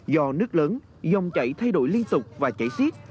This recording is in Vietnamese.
do nước lớn dòng chảy thay đổi liên tục và chảy xiết